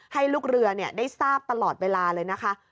ให้ลูกเรือได้ทราบตลอดเวลาเลยนะคะ